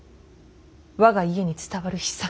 我が家に伝わる秘策。